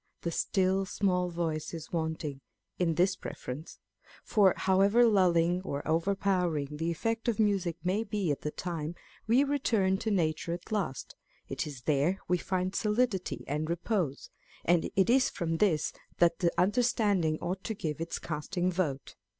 " The still small voice is wanting " in this preference ; for however lulling or overpowering the effect of music may be at the time, we return to nature at last ; it is there we find solidity and repose, and it is from this that the under standing ought to give its casting vote.